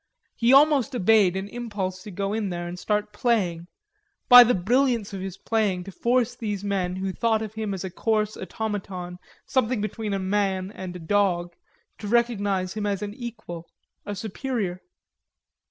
He almost obeyed an impulse to go in there and start playing, by the brilliance of his playing to force these men, who thought of him as a coarse automaton, something between a man and a dog, to recognize him as an equal, a superior.